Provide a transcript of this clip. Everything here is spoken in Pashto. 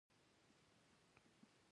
آب وهوا د افغانستان د صادراتو یوه برخه ده.